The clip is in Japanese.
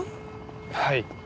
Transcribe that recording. はい。